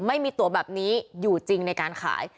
ไม่มีตัวแบบนี้อยู่จริงในการขาย